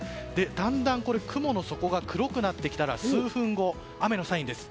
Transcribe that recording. だんだん雲の底が暗くなってきたら数分後、雨のサインです。